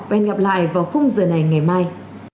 và hẹn gặp lại vào khung giờ này ngày mai